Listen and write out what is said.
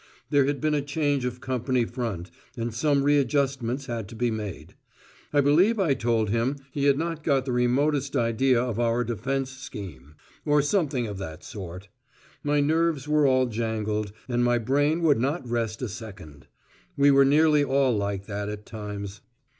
There had been a change of company front, and some readjustments had to be made. I believe I told him he had not got the remotest idea of our defence scheme, or something of the sort! My nerves were all jangled, and my brain would not rest a second. We were nearly all like that at times.